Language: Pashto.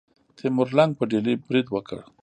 تیمور لنګ په ډیلي برید وکړ.